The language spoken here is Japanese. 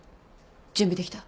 準備できた？